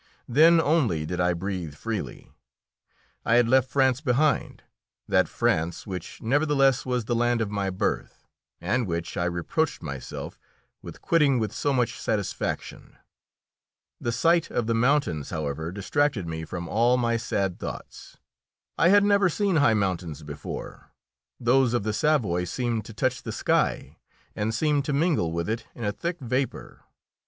Then only did I breathe freely. I had left France behind, that France which nevertheless was the land of my birth, and which I reproached myself with quitting with so much satisfaction. The sight of the mountains, however, distracted me from all my sad thoughts. I had never seen high mountains before; those of the Savoy seemed to touch the sky, and seemed to mingle with it in a thick vapour.